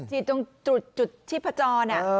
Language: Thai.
ฉีดตรงจุดที่ผจรนะ